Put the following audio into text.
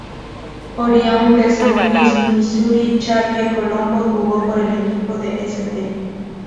Oriundo de San Luis, Misuri, Charlie Colombo jugó por el equipo de St.